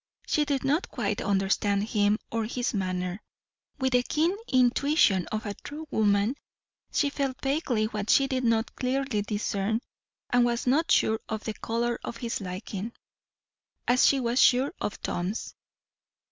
She did not quite understand him or his manner; with the keen intuition of a true woman she felt vaguely what she did not clearly discern, and was not sure of the colour of his liking, as she was sure of Tom's.